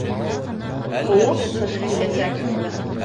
Һыуыҡ ҡыш киләсәк.